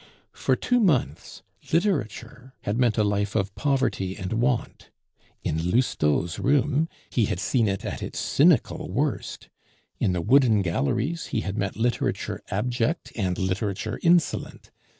For two months Literature had meant a life of poverty and want; in Lousteau's room he had seen it at its cynical worst; in the Wooden Galleries he had met Literature abject and Literature insolent.